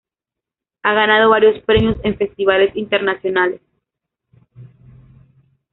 Ha ganado varios premios en festivales internacionales.